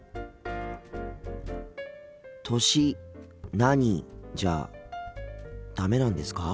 「歳何？」じゃダメなんですか？